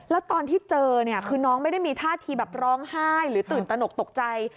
แล้วตอนที่เจอเนี่ยคือน้องไม่ได้มีท่าทีแบบร้องไห้หรือตื่นตนกตกใจ